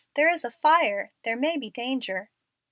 There is a fire. There may be danger."